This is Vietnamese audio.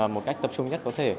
một cách tập trung nhất có thể